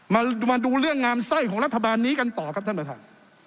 มาดูเรื่องงามไส้ของรัฐบาลนี้กันต่อครับท่านประธาน